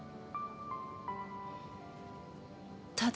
ただ。